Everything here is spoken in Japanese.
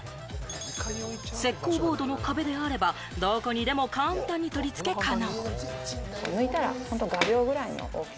石膏ボードの壁であれば、どこにでも簡単に取り付け可能。